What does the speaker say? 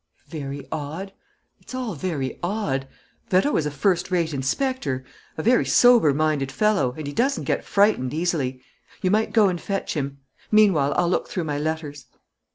"Very odd: it's all very odd. Vérot is a first rate inspector, a very sober minded fellow; and he doesn't get frightened easily. You might go and fetch him. Meanwhile, I'll look through my letters."